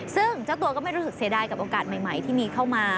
ซึ่งเจ้าตัวก็ไม่รู้สึกเสียดายกับโอกาสใหม่ที่มีเข้ามา